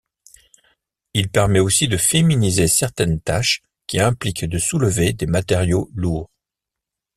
Il permet aussi de féminiser certaines tâches qui impliquent de soulever des matériaux lourds.